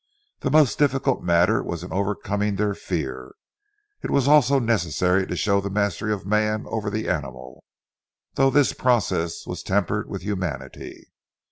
The most difficult matter was in overcoming their fear. It was also necessary to show the mastery of man over the animal, though this process was tempered with humanity.